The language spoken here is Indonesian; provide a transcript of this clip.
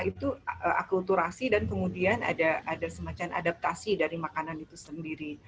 itu akulturasi dan kemudian ada semacam adaptasi dari makanan itu sendiri